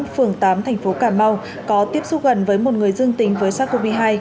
phường tám thành phố cà mau có tiếp xúc gần với một người dương tính với sars cov hai